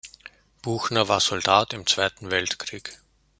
Buchner war Soldat im Zweiten Weltkrieg.